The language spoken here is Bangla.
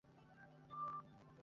হ্যাঁ, অনেক ভালো লেগেছে।